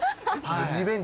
リベンジ